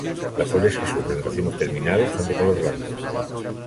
Las flores, que surgen en racimos terminales, son de color blanco.